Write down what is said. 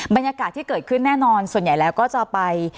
บรรยากาศที่เกิดขึ้นแน่นอนส่วนใหญ่แล้วก็จะไป